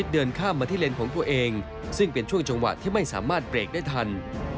เดินข้ามมาที่เลนส์ของตัวเองซึ่งเป็นช่วงจังหวะที่ไม่สามารถเบรกได้ทัน